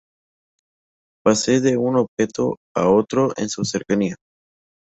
Pase de un objeto a otro de su cercanía.